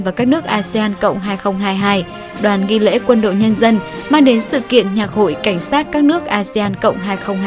và các nước asean cộng hai nghìn hai mươi hai đoàn ghi lễ quân đội nhân dân mang đến sự kiện nhạc hội cảnh sát các nước asean cộng hai nghìn hai mươi hai